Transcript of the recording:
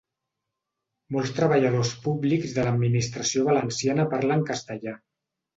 Molts treballadors públics de l'administració valenciana parlen castellà